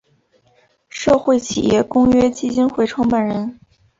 社会企业公约基金会创办人。